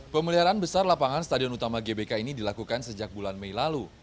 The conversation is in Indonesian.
pemeliharaan besar lapangan stadion utama gbk ini dilakukan sejak bulan mei lalu